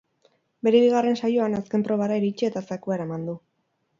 Bere bigarren saioan, azken probara iritsi eta zakua eraman du.